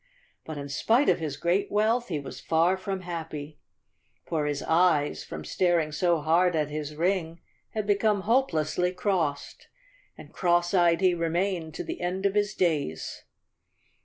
But in spite of his 290 great wealth, he was far from happy, for his eyes, from staring so hard at his ring, had become hopelessly crossed, and cross eyed he remained to the end of his days.